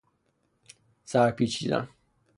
سرپیچیدن